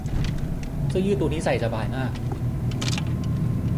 เสื้อยืดตัวนี้ใส่สบายมาก